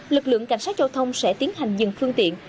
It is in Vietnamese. lực lượng cảnh sát giao thông sẽ tiến hành dừng phương tiện